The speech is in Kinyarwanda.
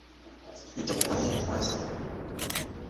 ibyo mubonye nkoze